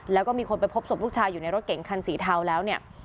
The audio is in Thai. แล้วก็มีคนไปพบศพลูกชายอยู่ในรถเก๋งคันสีเทาแล้วเนี่ย